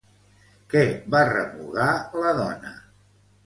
Què va remugar la dona?